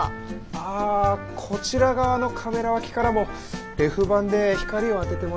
あこちら側のカメラ脇からもレフ板で光を当ててもらえるといいんですけど。